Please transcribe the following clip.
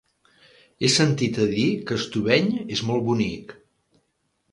He sentit a dir que Estubeny és molt bonic.